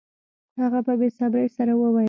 هغه په بې صبرۍ سره وویل